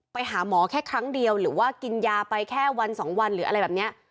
ไปหาหมอแค่ครั้งเดียวหรือว่ากินยาไปแค่วันสองวันหรืออะไรแบบนี้